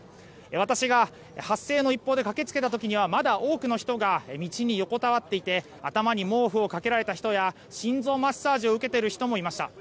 私が、発生の一報で駆け付けた時にはまだ多くの人が道に横たわっていて頭に毛布をかけられた人や心臓マッサージを受けている人もいました。